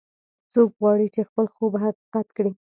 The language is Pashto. څوک غواړي چې خپل خوب حقیقت کړي